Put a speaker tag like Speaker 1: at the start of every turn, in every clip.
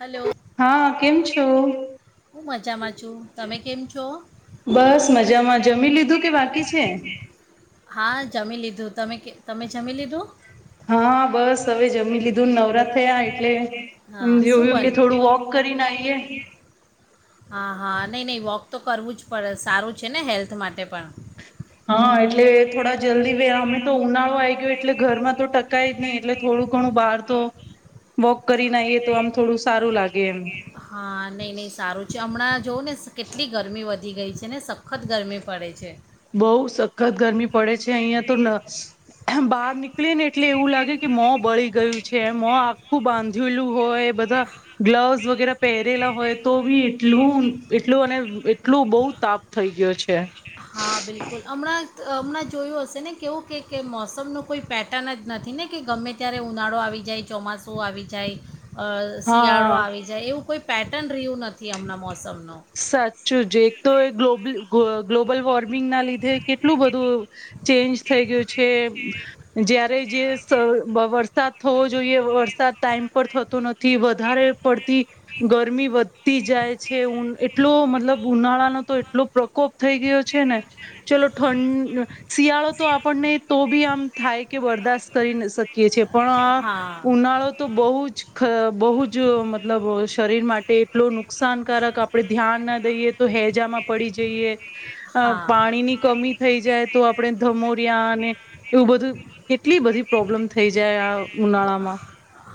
Speaker 1: Hello
Speaker 2: હા, કેમ છો?
Speaker 1: હું મજામાં છું તમે કેમ છો
Speaker 2: બસ મજામાં જમી લીધું કે બાકી છે?
Speaker 1: હા જમી લીધું તમે તમે જમી લીધું
Speaker 2: હા, બસ હવે જમી લીધુંને નવરાત થયા એટલે
Speaker 1: હા
Speaker 2: એમ
Speaker 1: શું
Speaker 2: જોયું
Speaker 1: બન
Speaker 2: કે થોડું વોક કરીને આઈએ
Speaker 1: હા હા નહીં નહીં વોક તો કરવુંજ પડે, સારું છે ને હેલ્થ માટે પણ
Speaker 2: હા, એટલે થોડા જલ્દી અમે તો ઉનાળો આવી ગયો એટલે ઘરમાં તો ટકાયજ નઈ એટલે થોડું ઘણું બહાર તો વોક કરીને આવીઈએ, તો આમ થોડું સારું લાગે એમ
Speaker 1: હા, નઈ નઈ સારું છે, હમણાં જોવં ને કેટલી ગરમી વધી ગઈ છે ને સ
Speaker 2: બોવ સખત ગરમી પડે છે. અહિયાં તો બહાર નીકળી ને એટલે એવું લાગે કે મોં બળી ગયું છે, મોં આખું બાંધેલું હોય બધા ગ્લવસ વગેરે પહેરેલા હોય, તો બી એટલું એટલું અને એટલું બહુ તાપ થઈ ગયો છે. છે.
Speaker 1: હા, બિલકુલ હમણાં હમણાં જોયું હશે ને કેવું કે મોસમનું કોઈ પેટર્ન જ નથી ને કે ગમે ત્યારે ઉનાળો આવી જાય, ચોમાસું આવી જાય શિયાળો
Speaker 2: હા
Speaker 1: આવી જાય, એવું કોઈ પેટર્ન રહ્યું નથી, હમણાં મોસમ
Speaker 2: સાચુંજી એક તો એ ગ્લોબલ ગ ગ્લોબલ વોર્ મિંગના લીધે કેટલું બધું ચેન્જ થઈ ગયું છે, જ્યાં જે વરસાદ થવો જોઈએ, વરસાદ ટાઈમ પર થતો નથી, વધારે પડતી ગરમી વધતી જાય છે, એટલો મતલબ ઉનાળાનો તો એટલો પ્રકોપ થઈ ગયો છે ને, ચલો ઠંડ શિયાળો તો આપણને તો બી આમ થાય કે બરદાશ્ત કરી શકીએ છે. પણ આ
Speaker 1: હા
Speaker 2: ઉનાળો તો બોવજ બહુ જ મતલબ શરીર માટે એટલું નુકસાનકારક આપ આપડે ધ્યાન ના દઈએ તો હેજામાં પડી જઈએ. અ
Speaker 1: હા
Speaker 2: પાણીની કમી થઈ જાય. તો આપણે ધમોરિયા અને એવું બધું કેટલી બધી પ્રોબ્લેમ થઈ જાય. આ ઉનાળામાં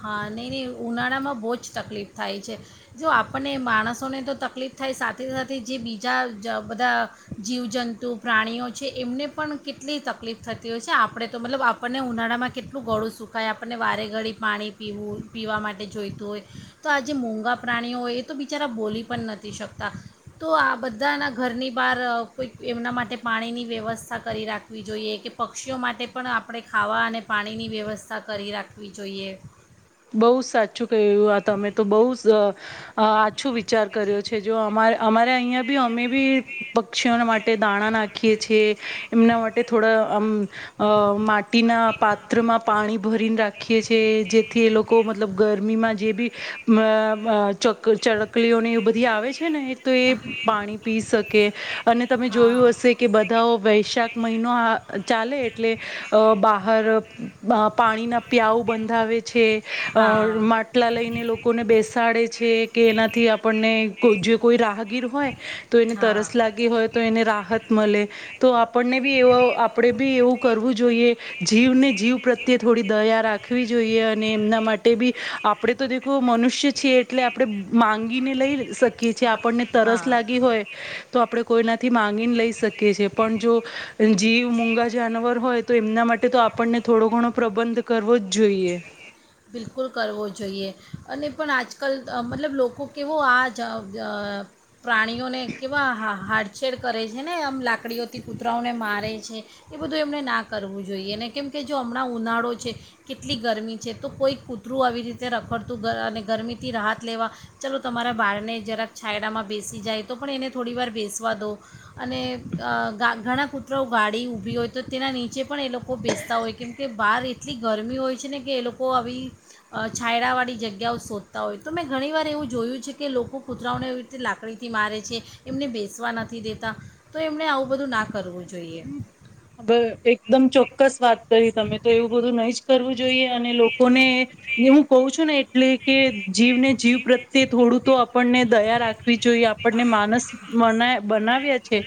Speaker 1: હા, નઈ નહ ઉનાળા માં બોજ તકલીફ થાય છે જો આપણને માણસોને તો તકલીફ થાય, સાથે સાથે જે બીજા બધા જીવજંતુ પ્રાણીઓ છે, એમને પણ કેટલી તકલીફ થતી હોય છે આપણે તો મતલબ આપણને ઉનાળામાં કેટલું ગળું સુકાય આપ આપણને વારે ઘડી પાણી પીવું પીવા માટે જોઈતું હોય, તો આજે મોંઘા પ્રાણીઓ હોય એ તો બિચારા બોલી પણ નથી શકતા તો આ બધાના ઘરની બહાર કોઈક એમના માટે પાણીની વ્યવસ્થા કરી રાખવી જોઈએ, કે પક્ષીઓ માટે પણ આપણે ખાવા અને પાણીની વ્યવસ્થા કરી રાખવી જોઈએ.
Speaker 2: બઉુ જ સાચું ક્યું આ તમે તો બઉ જ આછો વિચાર કર્યો છે જો અમા અમારે અહિયાં બી અમે બી પક્ષીઓને માટે દાણા નાખી નાખીએ છીએ. એમના માટે થોડા આમ અ માટીના પાત્રમાં પાણી ભરીને રાખીએ છીએ જે થી એ લોકો મતલબ ગરમીમાં જે બી ચકલીઓને એ બધી આવે છે. ને તો એ પાણી પી શકે અને તમે
Speaker 1: હા
Speaker 2: જોયું હશે કે બધા વૈશાખ મહિનો ચાલે એટલે બહાર પાણીના પિયાઉ બંધાવે છે
Speaker 1: હા
Speaker 2: માટલા લઈને લોકોને બેસાડે છે કે એનાથી આપણને જે કોઈ રાહગીર હોય તો એને
Speaker 1: હા
Speaker 2: તરસ લાગી હોય તો એને રાહત મળે. તો આપણને બી એવ આપણે બી એવું કરવું જોઈએ જીવને જીવ પ્રત્યે થોડી દયા રાખવી જોઈએ. એમના માટે બી આપણે તો દેખો મનુષ્ય છે એટલે આપણે માંગીને લઈ શકીએ. આપણને
Speaker 1: હા
Speaker 2: તરસ લાગી હોય. તો આપડે કોઈનાથી માંગીને લઈ શકીએ. કે છે પણ જો જીવ મુંગા જાનવર હોય તો એમના માટે તો આપણને થોડો ઘણો પ્રબંધ કરવો જ જોઈએ.
Speaker 1: બિલકુલ કરવો જોઈએ અને પણ આજકલ ત મતલબ લોકો કેવો આજ જ પ્રાણીઓને કેવા હાડછેડ કરે છે ને આમ લાકડીઓથી કૂતરાઓને મારે છે એ બધું એમને ના કરવું જોઈએ ને કેમ કે જો હમણાં ઉનાળો છે કેટલી ગરમી છે. તો કોઈ કૂતરું આવી રીતે રખડતું ને ગરમીથી રાહત લેવા ચલો તમારા બારને જરાક છાયડામાં બેસી જાય તો પણ એને થોડી વાર બેસવા દો અને અ ગા ઘણા કૂતરો ગાડી ઊભી હોય તો તેના નીચે પણ એ લોકો બેસતા હોય કેમ કે બહાર એટલી ગરમી હોય છે ને કે એ લોક કો અવી અ છાયડાવાળી જગ્યાઓ શોધતા હોય તો મેં ઘણીવાર એવું જોયું છે, કે લોકો કૂતરાઓને એવી રીતે લાકડીથી મારે છે એમને બેસવા નથી, દેતા તો એમને આવું બધું નાખ
Speaker 2: એકદમ ચોક્કસ વાત કહી તમે તો એવું બધું નહી જ કરવું જોઈએ અને લોકોને ની હું કહું છું ને એટલે કે જીવને જીવ પ્રત્યે થોડું તો આપણને દયા રાખવી જોઈએ આપણને માણસ બનાવ્યે છે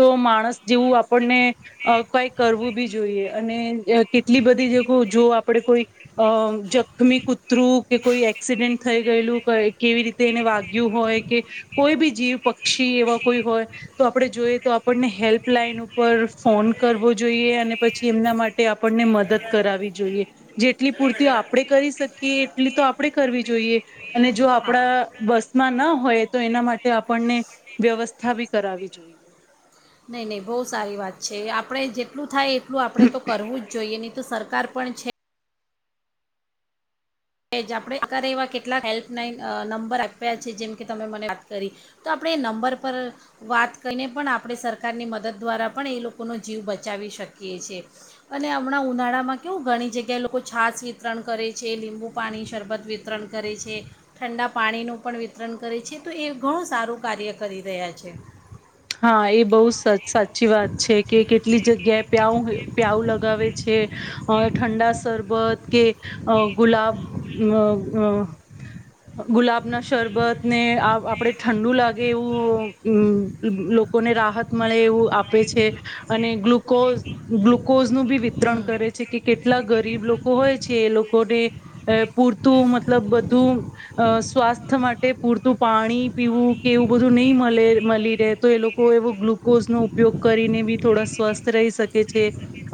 Speaker 2: તો માણસ જેવું આપણને અ કઈ કરવું બી જોઈએ અને જ કેટલી બધી જ કો જો આપડે કોઈ અં જ સામે કુત્રુ કે કોઈ એક્સિડેન્ટ થઈ ગયેલું, કેવી રીતે એને વાગ્યું હોય, કે કોઈ બી જીવ પક્ષી એવા કોઈ હોય તો આપડે જોઈએ તો આપણને હેલ્પ પ્લાઈન ઉપર ફોન કરવો જોઈએ અને પછી એમના માટે આપણને મદદ કરાવવી જોઈએ, જેટલી પૂર્તિ આપડી કરી શકીએ એટલી તો આપડે કરવી જોઈએ. અને જો
Speaker 1: હા
Speaker 2: આપડા વસ માં ના હોય તો એના માટે આપણને વ્યવસ્થા બી કરાવી જો
Speaker 1: નઈ નઈ બઉ સારી વાત છે આપડે જેટલું થાય એ એટલું આપડે તો કરવું જ જોઈએ ને. તો સરકાર પણ છે. એ જ આપડે [unintelligible] એવા કેટલા હેલ્પલાઈન અ નંબર આપ્યા છે જેમ કે તમે મને વાત કરી તો આપડે નંબર પર વાત કરીને પણ આપડે સરકારની મદદ દ્વારા પણ એ લોકોનો જીવ બચાવી શકીએ છીએ અને હમણાં ઉનાળામાં કેવું ઘણી જગ્યાએ લોકો છાસ વિતરણ કરે છે લીંબુ પાણી શરબત વિતરણ કરે છે. ઠંડા પાણીનું પણ વિતરણ કરે છે, તો એ ઘણું સારું કાર્ય કરી રહ્યા છે.
Speaker 2: હા એ બઉ સ સાચી વાત છે કે કેટલી જગ્યાએ પ્યાઉ પ્યાઉ લગાવે છે અ ઠંડા સર પદ કે અ ગુલાબ મ મ ગુલાબના શરબત ને આ આપડે ઠંડુ લાગે એવું હું. લ લોકોને રાહત મળે એવું આપે છે અને ગ્લુકોઝ ગ્લુકોઝ નું બી વિતરણ કરે
Speaker 1: હમ
Speaker 2: છે કે કેટલા ગરીબ લોકો હોય છ કે એ લોકોને અ પૂરતું મતલબ બધું અ સ્વાસ્થ્ય માટે પૂરતું પાણી પીવું કે એવું બધું નઈ મલે મલી એ તો એ લોકો એવો ગ્લુકોઝ નો ઉપયોગ કરીને બી થોડા સ્વસ્થ રહી શકે છે.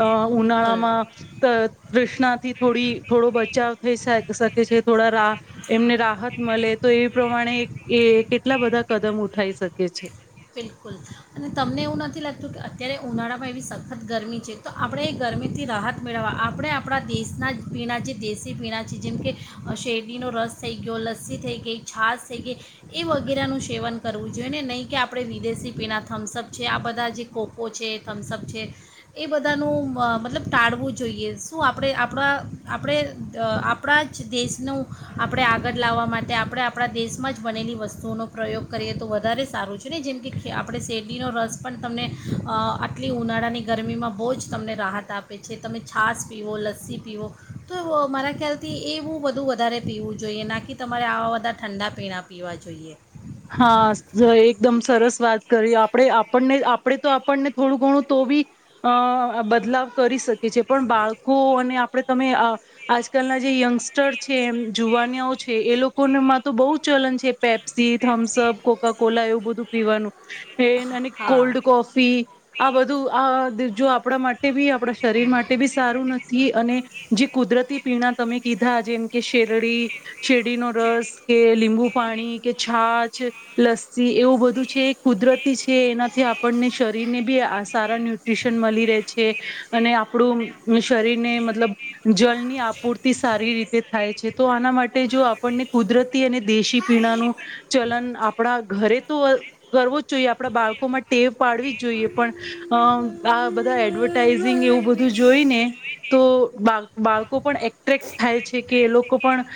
Speaker 2: અ
Speaker 1: બિલકુલ
Speaker 2: ઉનાળામાં ત તૃષ્ણાથી થોડી થોડો બચાવ થઈ શ શકે છે થોડા રા એમને રાહત મળે તો એ પ્રમાણે એ કેટલા બધા કદમ ઉઠાઈ શકે છે.
Speaker 1: શું તમને એવું નથી લાગતું કે અત્યારે ઉનાળામાં એવી સખત ગરમી છે તો આપડે ગરમીથી રાહત મેળવવા આપણે આપડા દેશના પીણાં જે દેશી પીણાં છે જેમ કે શેરડીનો રસ થઈ ગયો લસ્સી થઈ ગઈ છાસ થઈ ગઈ એ વગેરેનું સેવન કરવું જોઈએ ને નહીં કે આપડે વિદેશી પીણા થમ્સઅપ છે આ બધા જે કોકો છે, થમ્સઅપ છે એ બધાનું મ મતલબ ટાળવું જોઈએ શું આપડે આપડા આપડે દ આપડા જ દેશનું આપડે આગળ લાવવા માટે આપડે આપડા દેશમાં જ બનેલી વસ્તુઓનો પ્રયોગ કરીએ તો વધારે સારું છે ને જેમ કે પડે શેરડીનો રસ પણ તમને અ આટલી ઉનાળાની ગરમીમાં બોજ તમને રાહત આપે છે તમે છાસ પીવો લસ્સી પીવો તો મારા ખ્યાલથી એવું બધું વધારે પીવું જોઈએ ના કે તમારે આવા બધા ઠંડા પીણા પીવા જોઈએ.
Speaker 2: હા એકદમ સરસ વાત કરી આપડે આપણને આપડે તો આપણને થોડું ઘણું તો બી અ બદલાવ કરી શકીએ છે પણ બાળકો અને આપડે તમે અ આજકાલના જે યંગસ્ટર છે એમ જુવાનયાઓ છે એ લોકોનામાં તો બઉ ચલન છે પેપ્સી થમ્સઅપ, કોકાકોલા એવું બધું પીવાનું પેન અને
Speaker 1: હા
Speaker 2: કોલ્ડ કોફી આ બધું આ જો આપડા માટે બી આપડા શરીર માટે બી સારું નથી અને જે કુદરતી પીણા તમે કીધા જેમ કે શેરડી શેરડી નો રસ કે લીંબુ પાણી કે લસ્સી એવું બધું છે કુદરતી છે એનાથી આપણને શરીરને બી આ સારા ન્યુટ્રીશન મળી રહે છે અને આપણું શરીરને મતલબ જળની આપૂર્તિ સારી રીતે થાય છે તો આના માટે જો આપણને કુદરતી અને દેશી પીણાનું કલન આપણા ઘરે તો કરવો જ જોઈએ આપણા બાળકોમાં ટેવ પાડવી જ જોઈએ પણ આ બધા એડવર્ટાઈઝિંગ એવું બધું જોઈ ને તો બા બાળકો પણ એટ્રેક્ટ થાય છે કે એ લોકો પણ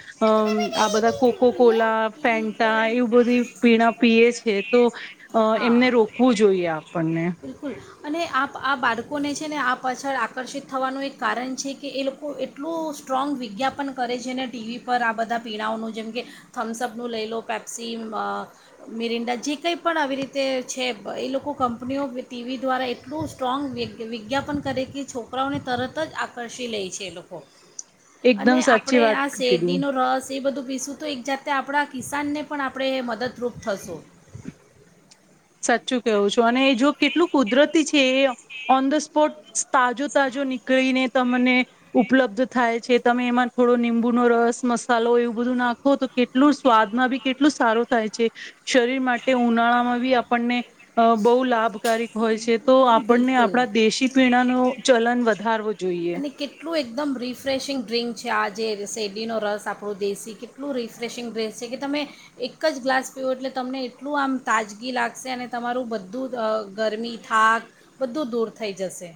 Speaker 2: આ બધા કોકો કોલા ફે ટા એવું બધી પીણા પીએ છે તો અ
Speaker 1: હા
Speaker 2: એમને રોકવું જોઈએ આપણને.
Speaker 1: બિલકુલ અને આ આ બાળકોને છે ને આ પાછળ આકર્ષિત થવાનું એક કારણ છે કે એ લોકો એટલું સ્ટ્રોંગ વિજ્ઞાપન કરે છે ને ટીવી પર આ બધા પીણાઓનું જેમ કે થમ્સઅપનું લઈ લો પેપ્સી અ મિરિંડા જે કંઈ પણ આવી રીતે તે છે એ લોકો કંપનીઓ ટીવી દ્વારા એટલું સ્ટ્રોંગ વી વિજ્ઞાપન કરે કે છોકરાઓને તરત જ આકર્ષી લે છે એ લોકો. અને
Speaker 2: એકદમ સાચી
Speaker 1: આપણે
Speaker 2: વાત
Speaker 1: આ
Speaker 2: કીધી
Speaker 1: શેરડીનો રસ એ બધું પીસું તો એક જાતે આપણા કિસાનને પણ આપણે મદદ તૃપ્ત થશો.
Speaker 2: સાચું કેવું છું અને જો કેટલું કુદરતી છે એ ઓન ધ સ્પોટ તાજો તાજો નીકળીને તમને ઉપલબ્ધ થાય છે તમે એમાં થોડો નિબુ નો રસ મસાલો એવું બધું નાખો તો કેટલું સ્વાદમાં બી કેટલું સારું થાય છે શરીર માટે ઉનાળામાં બી આપણને બહુ લાભકારક હોય છે. તો આપણને
Speaker 1: બિલકુલ
Speaker 2: આપણા દેશી પીણા ન ચલન વધારવું જોઈએ.
Speaker 1: અને કેટલું એકદમ રિફ્રેશિંગ ડ્રિંક છે આ જે શેરડીનો રસ આપણો દેશી કેટલું રિફ્રેશિંગ ડ્રેસ છે કે તમે એક જ ગ્લાસ પીવો એટલે તમને એટલું આમ તાજગી લાગશે અને તમારું બધું ગરમી થાક બધું દૂર થઈ જશે.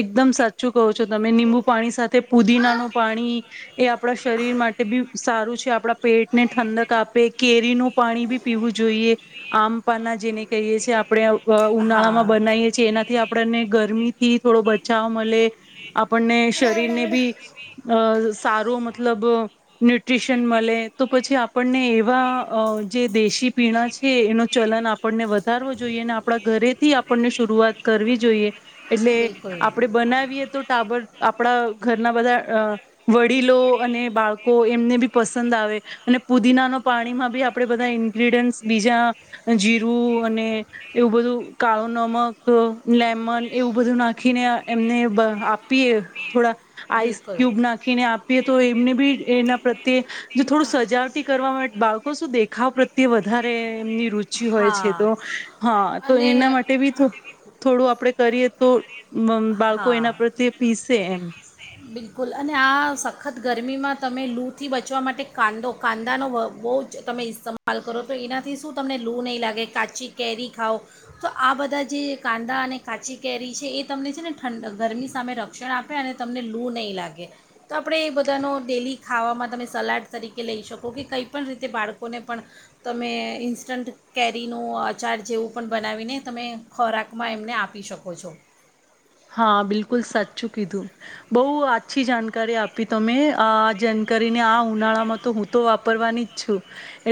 Speaker 2: એકદમ સાચું કહો છો તમે નિબુ પાણી સાથે પુદીનાનું પાણી. એ આપણા શરીર માટે બી સારું છે. આપણા પેટને ઠંડક આપે કેરીનું પાણી બી પીવું જોઈએ આમપના જેને કહીએ છી આપ આપણે ઉનાળામાં
Speaker 1: હા
Speaker 2: બનાવીએ છીએ એનાથી આપણને ગરમી થી થોડો બચાવ મળે. આપણને શરીરને બી અ સારો મતલબ ન્યુટ્રીશન મળે તો પછી આપણને એવા જે દેશી પીણા છે એનું ચલન આપે. આપને વધ વધારવો જોઈએ અને આપણા ઘરેથી આપણને શરૂઆત કરવી જોઈએ. એટલે
Speaker 1: બિલકુલ
Speaker 2: આપડે બનાવીએ તો ટાવર આપડા ઘરના બધા વડીલો અને બાળકો એમને બી પસંદ આવે, અને પુદીના ન પાણી માં બી આપણે બધા ઈન્ગ્રીડિયન્ટસ બીજા જીરું અને એવું બધું કાળો નમક લેમન. એવું બધું નાખીને એમને આપ આપીએ થોડા આઈસ
Speaker 1: બિલકુલ
Speaker 2: ક્યુબ નાખીને આપીએ તો એમને બી એના પ્રત્યે, થોડું સજાવટી કરવા માટે બાળકો શું દેખાવ પ્રત્યે તે વધારે એમની ર ઓછ હોય છે તો,
Speaker 1: હા
Speaker 2: હા તો
Speaker 1: અને
Speaker 2: એના માટે બી થોડું આપડ કરીએ તો બાળકો એના
Speaker 1: હા,
Speaker 2: પ્રત્યે પીસે એમ
Speaker 1: બિલકુલ અને આ સખત ગરમીમાં તમે લૂથી બચવા માટે કાંદો કાંદાનો બહુ જ તમે ઇસ્તેમાલ કરો તો એનાથી શું તમને લૂ નહીં લાગે કાચી કેરી ખાઓ, તો આ બધા જે કાંદા અને કાચી કેરી છે એ તમને છે ને ઠંડ ગરમી સામે રક્ષણ આપે અને તમને લૂ નહીં લાગે, તો આપણે એ બધાનો ડેલી ખાવામાં તમે સલાડ તરીકે લઈ શકો કે કંઈ પણ રીતે બાળકોને પણ, તમે ઇન્સ્ટન્ટ કેરીનો અચાર જેવું પણ બનાવીને તમે ખોરાકમાં એમને આપી શકો છો.
Speaker 2: હા બિલકુલ સાચું કીધું, બહુ આછી જાણકારી આપી તમે આ જાણકારીને આ ઉનાળામાં તો હું તો વાપરવાની જ છું.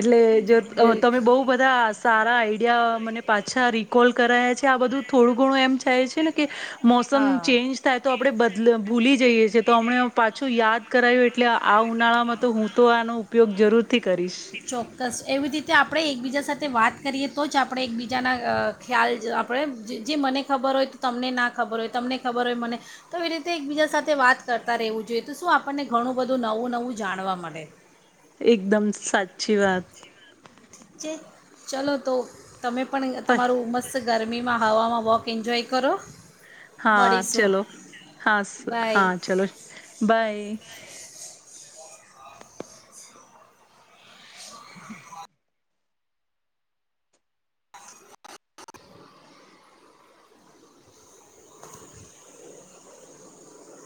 Speaker 2: એટલે જો
Speaker 1: બિલ
Speaker 2: તમે બહુ બધા સારા આ મને પાછા રીકોલ કરાયા છે આ બધું થોડું ઘણું એમ થાય છે ને કે. મોસમ
Speaker 1: હા
Speaker 2: ચેન્જ થાય તો આપડે બદલ ભૂલી જઈએ છેીએ, તો હમણે પાછું યાદ કરાયું એટલે આ આ ઉનાળામાં તો હું તો આનો ઉપયોગ જરૂર
Speaker 1: ચોક્કસ. એવી રીતે આપડે એકબીજા સાથે વાત કરીએ તો જ આપડે એકબીજાના અ ખ્યાલ જ આપડે જે જે મને ખબર હોય તો તમને ના ખબર હોય તમને ખબર હોય મને, તો એ રીતે એકબીજા સાથે વાત કરતાં રહેવું જોઈએ. તો શું આપણને ઘણું બધું નવું નવું જાણવા મલે.
Speaker 2: એકદમ સાચ ચ્છી વાત.
Speaker 1: ચે ચલો તો તમે પણ ય તમારું મસ્ત તો ગરમીમાં હવામાં વોક એન્જોય કરો.
Speaker 2: હા,
Speaker 1: મળીશું
Speaker 2: ચલો હાસ,
Speaker 1: બાય
Speaker 2: હા, ચલો બાય.